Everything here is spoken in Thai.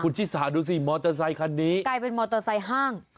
ชิสาดูสิมอเตอร์ไซคันนี้กลายเป็นมอเตอร์ไซค์ห้าง